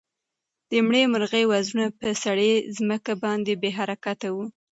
د مړې مرغۍ وزرونه په سړه ځمکه باندې بې حرکته وو.